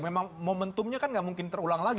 memang momentumnya kan nggak mungkin terulang lagi